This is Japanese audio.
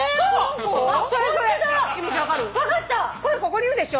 ここにいるでしょ